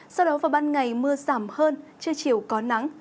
sau đó vào ban ngày mưa giảm hơn trưa chiều có nắng